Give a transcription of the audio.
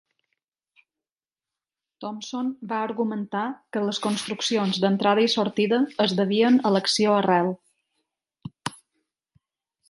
Thompson va argumentar que les construccions "d'entrada i sortida" es devien a l'acció arrel.